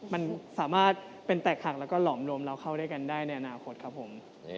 มันสามารถเป็นแตกหักแล้วก็หลอมนมเราเข้าด้วยกันได้ในอนาคตครับผม